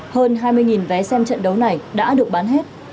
hơn hai mươi vé xem trận đấu này đã được bán hết